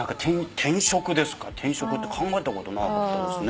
転職って考えたことなかったですね。